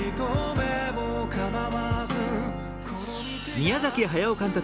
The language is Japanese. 宮崎駿監督